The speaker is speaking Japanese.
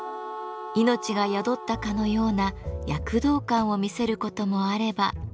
命が宿ったかのような躍動感を見せることもあれば。